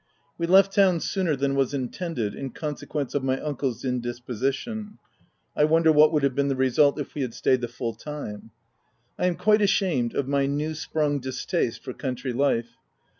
We left town sooner than was in tended, in consequence of my uncle's indisposi tion — I wonder what would have been the result if we had stayed the full time. I am quite ashamed of my new sprung distaste for country life.